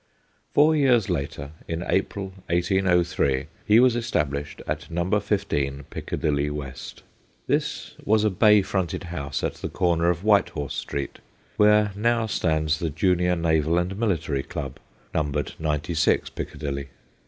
Four years later, in April 1803, he was established at ' No. 15, Piccadilly West.' This was a bay fronted house at the corner of Whitehorse Street, where now stands the Junior Naval and Military Club, numbered 96 Piccadilly.